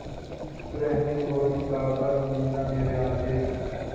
رہنے دو ابھی ساغر و مینا مرے آگے